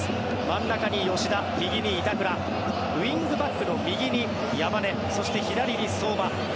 真ん中に吉田、右に板倉ウィングバックの右に山根そして、左に相馬。